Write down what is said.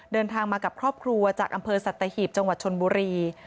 เดินทางมากับครอบครัวจากอำเภอสัตหีบจังหวัดชนบุรี